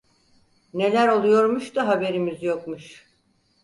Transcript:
Neler oluyormuş da haberimiz yokmuş!